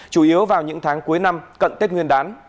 chủ yếu vào những tháng cuối năm cận tết nguyên đán